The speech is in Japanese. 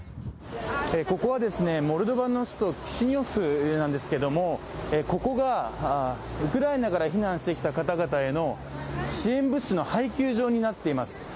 ここは、モルドバの首都キシニョフなんですけれどもここがウクライナから避難してきた方々への支援物資の配給所になっています。